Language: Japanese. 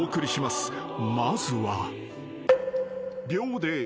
［まずは］